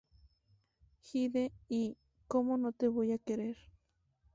Hyde"" y ""¿Cómo no te voy a querer?".